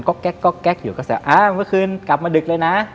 ก็แก๊กอยู่ก็แซวเมื่อคืนกลับมาดึกเลยนะ